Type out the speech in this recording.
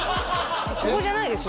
ここじゃないです？